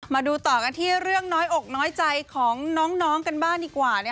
มาดูต่อกันที่เรื่องน้อยอกน้อยใจของน้องกันบ้างดีกว่า